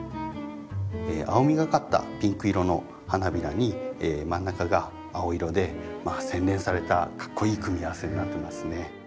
青みがかったピンク色の花びらに真ん中が青色で洗練されたかっこいい組み合わせになってますね。